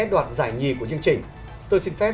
đoạt giải nhì của chương trình tôi xin phép